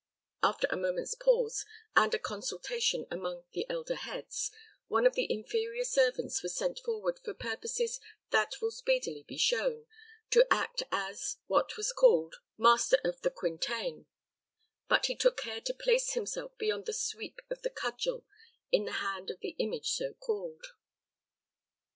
After a moment's pause, and a consultation among the elder heads, one of the inferior servants was sent forward for purposes that will speedily be shown, to act as, what was called, master of the Quintain; but he took care to place himself beyond the sweep of the cudgel in the hand of the image so called.